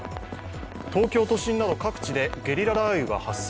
東京都心など各地でゲリラ雷雨が発生。